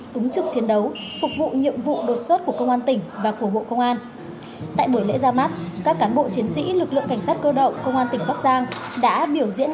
cúng trực chiến đấu phục vụ nhiệm vụ đột xuất của công an tỉnh và của bộ công an